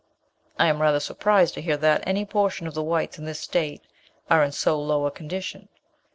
'" "I am rather surprised to hear that any portion of the whites in this state are in so low a condition."